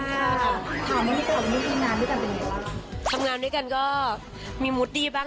ค่ะมันนี่ก็อยู่ที่นานด้วยกันเป็นไงบ้างทำงานด้วยกันก็มีมูดดีบ้าง